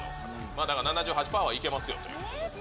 だから７８パーはいけますよというね。